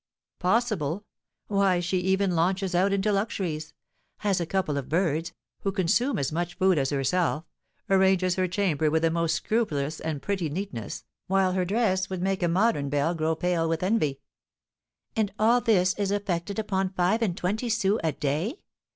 "Possible! Why, she even launches out into luxuries, has a couple of birds, who consume as much food as herself, arranges her chamber with the most scrupulous and pretty neatness, while her dress would make a modern belle grow pale with envy." "And all this effected upon five and twenty sous a day?